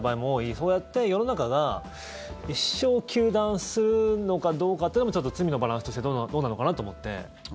そうやって世の中が一生糾弾するのかどうかってのもちょっと罪のバランスとしてどうなのかなと思って。